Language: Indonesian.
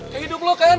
kehidup lo kan